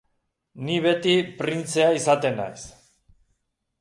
Ni beti printzea izaten naiz.